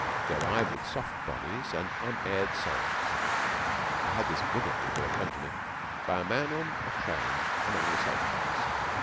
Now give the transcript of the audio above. They arrive with soft bodies and unaired souls. I had this vividly brought home to me by a man on a train among the Selkirks.